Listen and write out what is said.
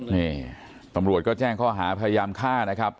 นี่ตำรวจก็แจ้งข้อหาพยายามฆ่านะครับ